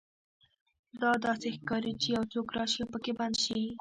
دا داسې ښکاري چې یو څوک راشي او پکې بند شي